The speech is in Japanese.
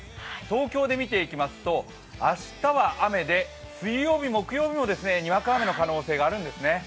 東京で見ていきますと明日は雨で水曜日、木曜日もにわか雨の可能性があるんですね。